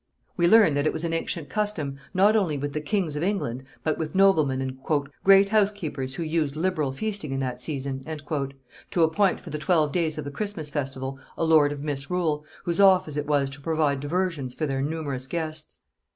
] We learn that it was an ancient custom, not only with the kings of England but with noblemen and "great housekeepers who used liberal feasting in that season," to appoint for the twelve days of the Christmas festival a lord of misrule, whose office it was to provide diversions for their numerous guests.